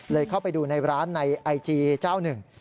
เข้าไปดูในร้านในไอจีเจ้าหนึ่ง